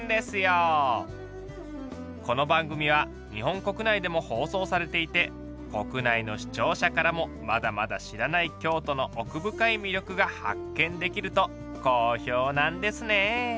この番組は日本国内でも放送されていて国内の視聴者からもまだまだ知らない京都の奥深い魅力が発見できると好評なんですね。